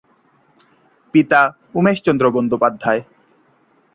পিতা উমেশচন্দ্র বন্দ্যোপাধ্যায়।